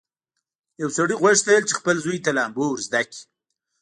یو سړي غوښتل چې خپل زوی ته لامبو ور زده کړي.